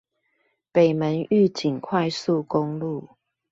北門玉井快速公路